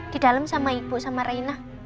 di dalam sama ibu sama raina